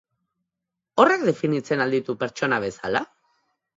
Horrek definitzen al ditu pertsona bezala?